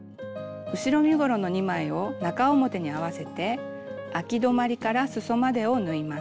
後ろ身ごろの２枚を中表に合わせてあき止まりからすそまでを縫います。